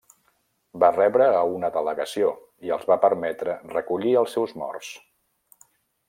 Va rebre a una delegació i els va permetre recollir els seus morts.